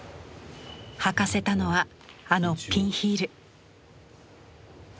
履かせたのはあのピンヒール。